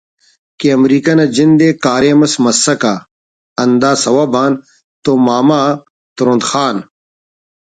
کہ امریکہ نا جند ءِ کاریم اس مسکہ ہندا سوب آن تو ماما ترند خان